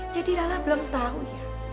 jadi lala belum tahu ya